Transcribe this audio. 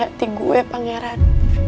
hati gue pangeran